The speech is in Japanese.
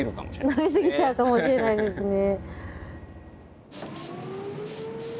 飲みすぎちゃうかもしれないですね。